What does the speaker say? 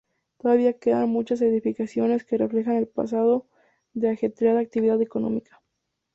Todavía quedan muchas edificaciones que reflejan el pasado de ajetreada actividad económica.